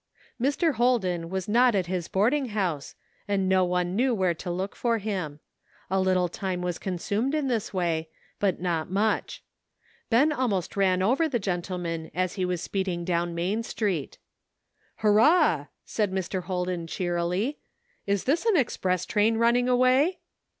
Mr. Holden was not at his boarding house. "WHAT COULD HAPPEN?'' 65 and no one knew where to look for him. A little time was consumed in this way, but not much. Ben almost ran over the gentleman as he was speeding down Main Street. " Hurrah !" said Mr. Holden cheerily, " is this an express train running away